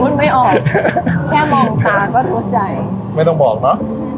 พูดไม่ออกพูดไม่ออกแค่มองตาก็โทษใจไม่ต้องบอกเนอะ